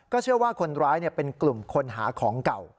เชื่อว่าคนร้ายเป็นกลุ่มคนหาของเก่า